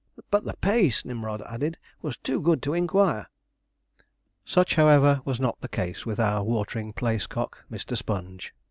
'But the pace,' Nimrod added, 'was too good to inquire.' Such, however, was not the case with our watering place cock, Mr. Sponge.